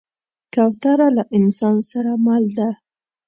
کوتره له انسان سره مل ده.